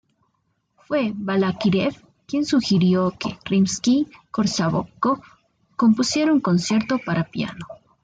Fue Balákirev quien sugirió que Rimski-Kórsakov compusiera un concierto para piano.